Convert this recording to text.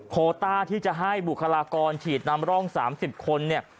โคต้าที่จะให้บุคลากรฉีดนำร่อง๓๐คนเนี่ย